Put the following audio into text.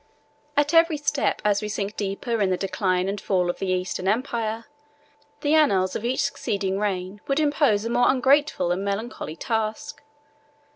At every step, as we sink deeper in the decline and fall of the Eastern empire, the annals of each succeeding reign would impose a more ungrateful and melancholy task.